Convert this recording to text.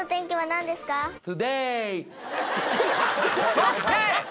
そして。